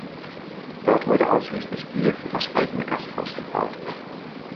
Dort wurde ausschließlich Bier für das eigene Gasthaus gebraut.